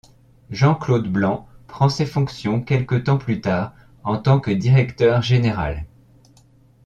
Jean-Claude Blanc prend ses fonctions quelque temps plus tard en tant que directeur général.